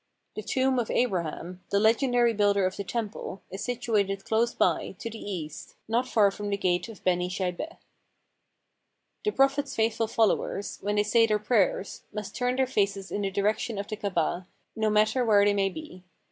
The tomb of Abraham, the legendary builder of the temple, is situated close by, to the east, not far from the Gate of Beni Shaibeh. The Prophet's faithful followers, when they say their prayers, must turn their faces in the direction of the Kabah, no matter where they may be.